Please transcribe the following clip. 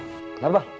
ya allah bang